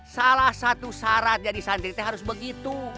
salah satu syarat jadiin santri teh harus begitu